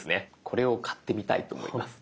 これを買ってみたいと思います。